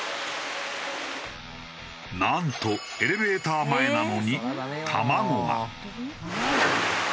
なんとエレベーター前なのに卵が。